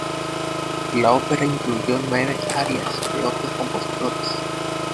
La ópera incluyó nueve arias de otros compositores.